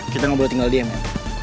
kita gak boleh tinggal dm ya